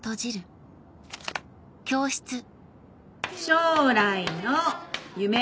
「将来の夢」。